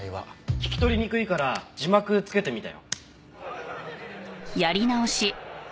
聞き取りにくいから字幕つけてみたよ。